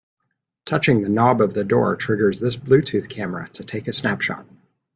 Touching the knob of the door triggers this Bluetooth camera to take a snapshot.